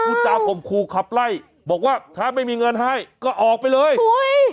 จากข่มขู่ขับไล่บอกว่าถ้าไม่มีเงินให้ก็ออกไปเลยอุ้ย